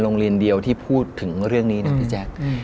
โรงเรียนเดียวที่พูดถึงเรื่องนี้นะพี่แจ๊ค